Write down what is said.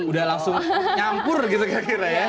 udah langsung nyampur gitu kira kira ya